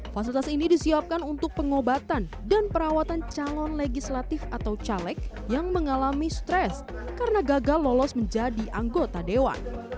fasilitas ini disiapkan untuk pengobatan dan perawatan calon legislatif atau caleg yang mengalami stres karena gagal lolos menjadi anggota dewan